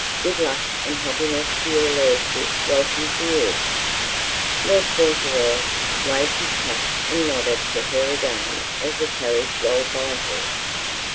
Good luck and happiness to your lordship! Welcome to you!" Lord Fauntleroy waved his cap and nodded to her again as the carriage rolled by her.